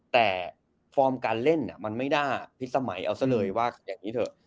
แต่ฟอร์มการเล่นมันไม่น่าพิษสมัยเอาซะเลยว่าอย่างนี้เถอะ